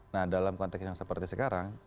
nah dalam konteks yang seperti sekarang